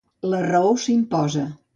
La raó s'imposa.